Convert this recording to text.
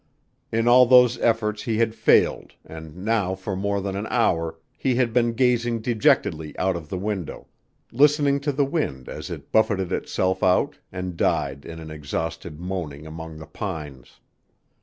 In all those efforts he had failed and now for more than an hour he had been gazing dejectedly out of the window, listening to the wind as it buffeted itself out and died in an exhausted moaning among the pines.